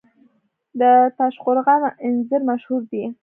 د تاشقرغان انځر مشهور دي